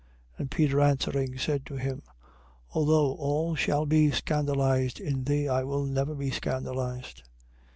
26:33. And Peter answering, said to him: Although all shall be scandalized in thee, I will never be scandalized.